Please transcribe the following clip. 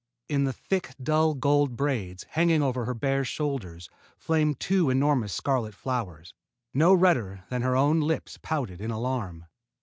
In the thick dull gold braids hanging over her bare shoulders flamed two enormous scarlet flowers, no redder than her own lips pouted in alarm.